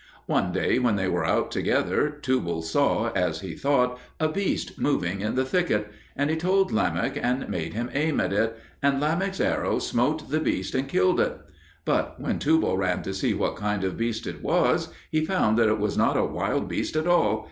One day, when they were out together, Tubal saw, as he thought, a beast moving in the thicket; and he told Lamech, and made him aim at it, and Lamech's arrow smote the beast and killed it. But when Tubal ran to see what kind of beast it was, he found that it was not a wild beast at all.